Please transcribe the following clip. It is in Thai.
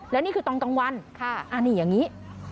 แล้วนี่คือตอนกลางวันอันนี้อย่างนี้